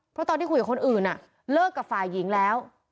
เพราะตอนที่คุยกับคนอื่นเลิกกับฝ่ายหญิงแล้ว